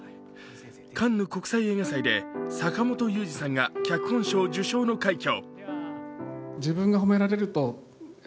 カンヌ国際映画祭で坂元裕二さんが脚本賞受賞の快挙。